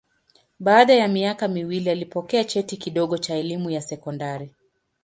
Baada ya miaka miwili alipokea cheti kidogo cha elimu ya sekondari.